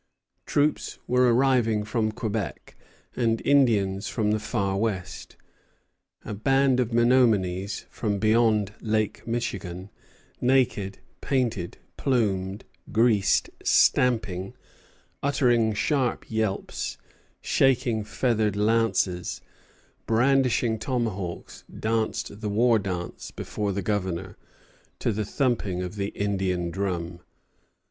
Troops were arriving from Quebec, and Indians from the far west. A band of Menomonies from beyond Lake Michigan, naked, painted, plumed, greased, stamping, uttering sharp yelps, shaking feathered lances, brandishing tomahawks, danced the war dance before the Governor, to the thumping of the Indian drum.